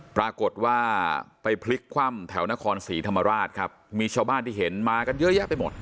ปรากฏว่าไปพลิกคว่ำแถวนครศรีธรรมราชครับมีชาวบ้านที่เห็นมากันเยอะแยะไปหมด